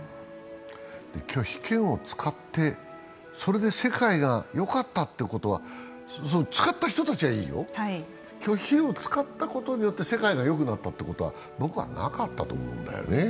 拒否権を使って、それで世界がよかったということは、使った人たちはいいよ拒否権を使ったことによって世界がよくなったってことは僕はなかったと思うんだよね。